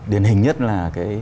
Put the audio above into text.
điển hình nhất là